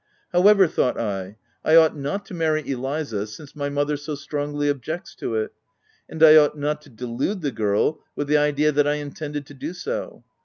"However," thought I, "I ought not to VOL. I. F 98 THE TENANT marry Eliza since my mother so strongly ob jects to it, and I ought not to delude the girl with the idea that I intended to do so.